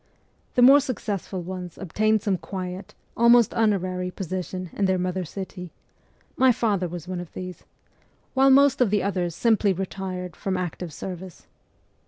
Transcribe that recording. The more successful ones obtained some quiet, almost honorary position in their mother city my father was one of these while most of the others simply CHILDHOOD 5 retired from active service.